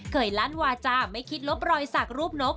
ลั่นวาจาไม่คิดลบรอยสักรูปนก